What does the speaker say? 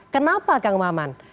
kenapa kang maman